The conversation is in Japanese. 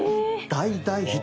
大大ヒット。